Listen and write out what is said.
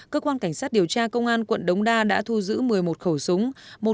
cơ quan cảnh sát điều tra công an quận đống đa đã thu giữ một mươi một khẩu súng